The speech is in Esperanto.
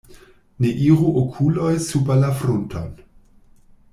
Ne iru okuloj super la frunton.